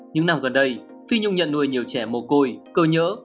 những năm gần đây phi nhung nhận nuôi nhiều trẻ mồ côi cơ nhỡ